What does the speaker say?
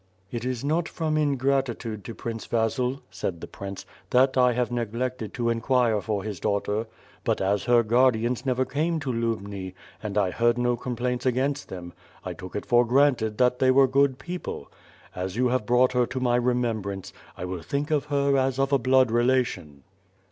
"It is not from ingratitude to Prince Vasil," said the prince, that I have neglected to inquire for his daughter. But as her guardians never came to Lubni, and as I heard no complaints against them, I took it for granted they were good people. As you have brought her to my remembrance, I will think of her as of a blood relation."